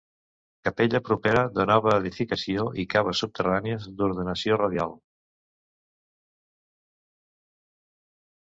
Capella propera, de nova edificació, i caves subterrànies d'ordenació radial.